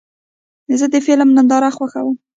زه د فلم ننداره خوښوم.